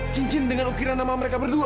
cincin dengan ukiran nama mereka berdua